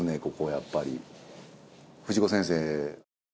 ここやっぱり藤子先生